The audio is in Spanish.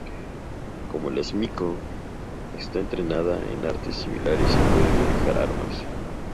Como las miko, está entrenada en artes similares y pueden manejar armas.